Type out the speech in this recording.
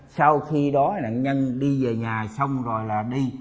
sau khi đó nạn nhân đi về nhà xong rồi là đi